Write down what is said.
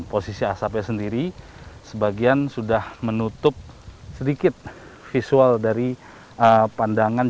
posisi asapnya sendiri sebagian sudah menutup sedikit visual dari pandangan